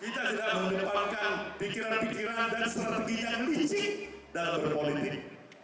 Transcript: kita tidak mengerdepankan pikiran pikiran dan strateginya yang licik dan berpolitik